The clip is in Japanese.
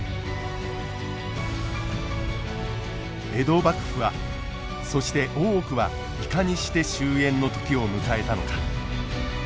江戸幕府はそして大奥はいかにして終えんの時を迎えたのか。